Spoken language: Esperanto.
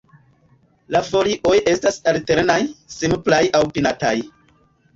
La folioj estas alternaj, simplaj aŭ pinataj.